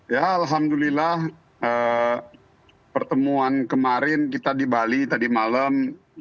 ya alhamdulillah pertemuan kemarin kita di bali tadi malam